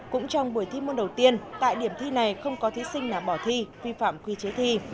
cũng trong buổi thi môn đầu tiên tại điểm thi này không có thí sinh nào bỏ thi vi phạm quy chế thi